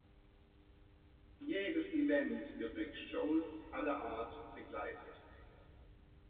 Jedes Event wird durch Shows aller Art begleitet.